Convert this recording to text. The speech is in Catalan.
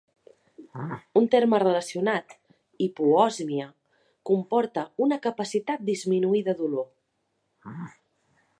Un terme relacionat, hipoòsmia, comporta una capacitat disminuïda d'olor.